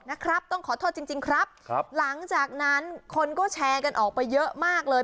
นะครับต้องขอโทษจริงจริงครับครับหลังจากนั้นคนก็แชร์กันออกไปเยอะมากเลย